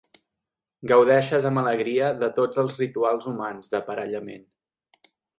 Gaudeixes amb alegria de tots els rituals humans d'aparellament.